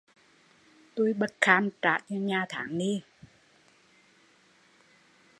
Tui bất kham trả tiền nhà tháng ni